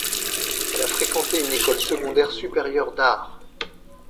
Elle a fréquenté une école secondaire supérieure d'arts.